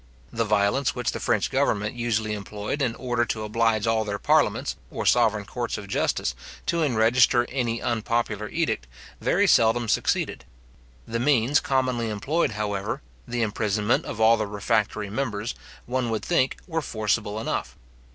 The violence which the French government usually employed in order to oblige all their parliaments, or sovereign courts of justice, to enregister any unpopular edict, very seldom succeeded. The means commonly employed, however, the imprisonment of all the refractory members, one would think, were forcible enough.